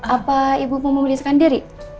apa ibu mau membelikan diri